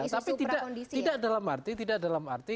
tapi tidak dalam arti